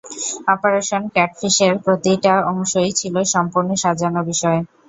Operation ক্যাটফিশের প্রতিটা অংশই ছিল সম্পূর্ণ সাজানো বিষয়।